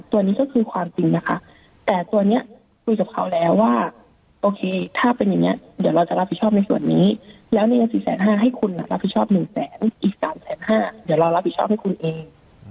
ตัวนี้ก็คือความจริงนะคะแต่ตัวนี้คุยกับเขาแล้วว่าโอเคถ้าเป็นอย่างนี้เดี๋ยวเราจะรับผิดชอบในส่วนนี้แล้วในเงิน๔๕๐๐ให้คุณรับผิดชอบ๑แสนอีก๓๕๐๐บาทเดี๋ยวเรารับผิดชอบให้คุณเอง